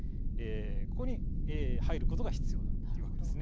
ここに入ることが必要というわけですね。